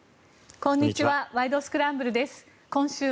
こんにちは。